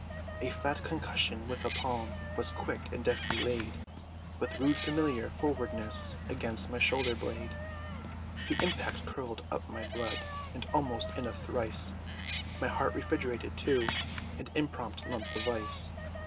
A flat concussion of a palm, Was quick, and deftly laid, With rude familiar frowardness, Against my shoulder blade! The impact curled up my blood; And almost in a thrice, My heart refrigerated, to An imprompt lump of ice!